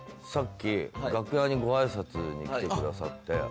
さっき楽屋にごあいさつに来てくださって。